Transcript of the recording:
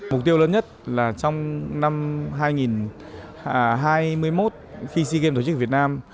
mục tiêu lớn nhất là trong năm hai nghìn hai mươi một khi sea games tổ chức ở việt nam